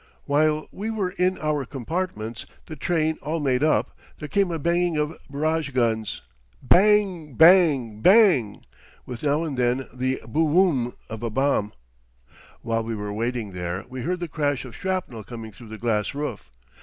While we were in our compartments, the train all made up, there came a banging of barrage guns bang, bang, bang with now and then the boo oom! of a bomb. While we were waiting there we heard the crash of shrapnel coming through the glass roof.